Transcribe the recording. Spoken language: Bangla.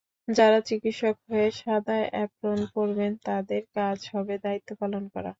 যাঁরা চিকিৎসক হয়ে সাদা অ্যাপ্রোন পরবেন, তাঁদের কাজ হবে দায়িত্ব পালন করা।